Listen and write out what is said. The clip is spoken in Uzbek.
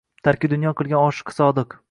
Tarki dunyo qilgan oshiqi sodiq.